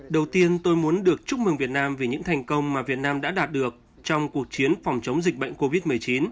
đầu tiên tôi muốn được chúc mừng việt nam vì những thành công mà việt nam đã đạt được trong cuộc chiến phòng chống dịch bệnh covid một mươi chín